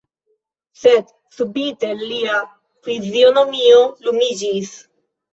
Sed subite lia fizionomio lumiĝis.